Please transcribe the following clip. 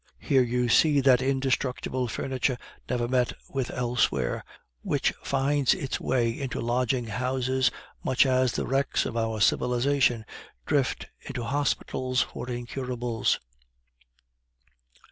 Here you see that indestructible furniture never met with elsewhere, which finds its way into lodging houses much as the wrecks of our civilization drift into hospitals for incurables.